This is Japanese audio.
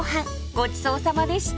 ごちそうさまでした。